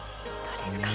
どうですか？